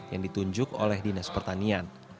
yang ditunjuk oleh dinas pertanian